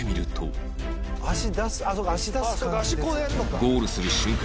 ゴールする瞬間